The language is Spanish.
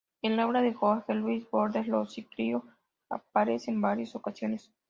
En la obra de Jorge Luis Borges lo cíclico aparece en varias ocasiones.